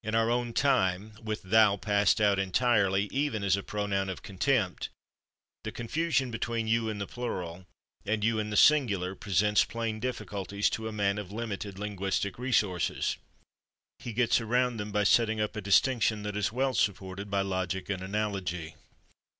In our own time, with thou passed out entirely, even as a pronoun of contempt, the confusion between /you/ in the plural and /you/ in the singular presents plain difficulties to a man of limited linguistic resources. He gets around them by setting up a distinction that is well supported by logic and analogy.